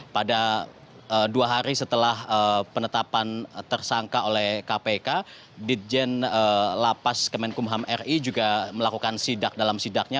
pada dua hari setelah penetapan tersangka oleh kpk ditjen lapas kemenkumham ri juga melakukan sidak dalam sidaknya